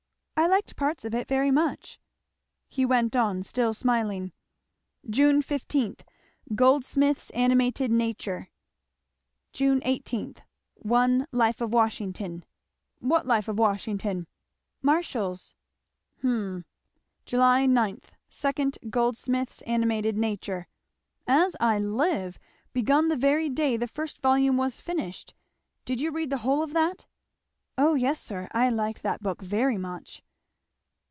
"I liked parts of it very much." He went on, still smiling. 'June 15. Goldsmith's Animated Nature.' 'June 18. 1 Life of Washington.' "What Life of Washington?" "Marshall's." "Hum. 'July 9. 2 Goldsmith's An. Na.' As I live, begun the very day the first volume was finished, did you read the whole of that?" "O yes, sir. I liked that book very much."